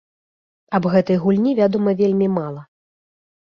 Аб гэтай гульні вядома вельмі мала.